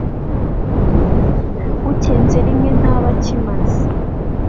ucyenze rimwe ntaba akimaze